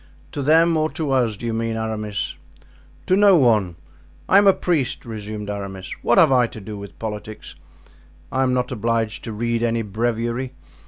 "To them or to us, do you mean, Aramis?" "To no one. I am a priest," resumed Aramis. "What have I to do with politics? I am not obliged to read any breviary.